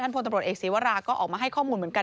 พลตำรวจเอกศีวราก็ออกมาให้ข้อมูลเหมือนกัน